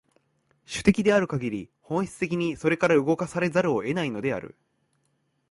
種的であるかぎり、本質的にそれから動かされざるを得ないのである。